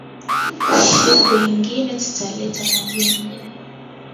Shiku ingine tutaleta ma jembe